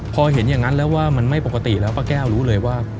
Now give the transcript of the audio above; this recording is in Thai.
พอเห็นอย่างนั้นแล้วว่ามันไม่ปกติแล้วป้าแก้วรู้เลยว่า